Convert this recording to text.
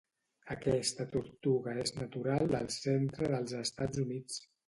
Aquesta tortuga és natural del centre dels Estats Units.